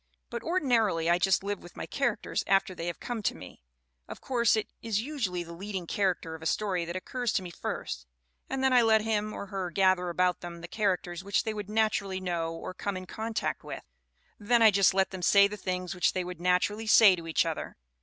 But, ordinarily, I just live with my characters after they have come to me. Of course it is usually the leading character of a story that occurs to me first, and then I let him or her gather about them the characters which they would naturally know or come in contact with. Then I just let them say the things which they would naturally say to each other.